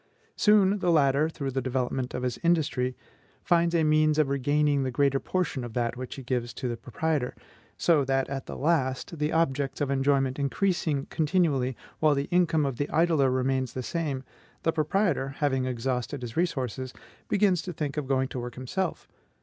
Soon the latter, through the development of his industry, finds a means of regaining the greater portion of that which he gives to the proprietor; so that at last, the objects of enjoyment increasing continually, while the income of the idler remains the same, the proprietor, having exhausted his resources, begins to think of going to work himself.